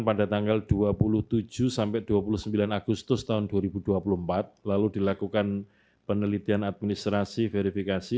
pada tanggal dua puluh tujuh sampai dua puluh sembilan agustus tahun dua ribu dua puluh empat lalu dilakukan penelitian administrasi verifikasi